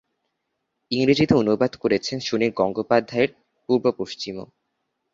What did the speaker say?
ইংরাজীতে অনুবাদ করেছেন সুনীল গঙ্গোপাধ্যায়ের 'পূর্ব-পশ্চিম'ও।